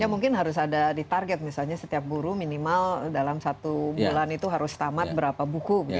ya mungkin harus ada di target misalnya setiap guru minimal dalam satu bulan itu harus tamat berapa buku